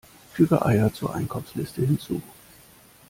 Füge Eier zur Einkaufsliste hinzu!